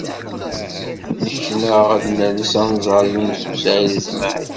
Lekneɣ ad nales ad nẓer Yunes u Saɛid u Smaɛil.